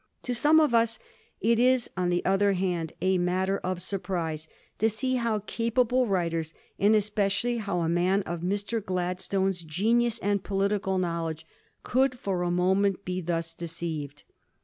To some of us it is, on the other hand, a matter of surprise to see how capable writers, and especially how a man of Mr. Gladstone's genius and political knowledge, could for a moment be thus decieved.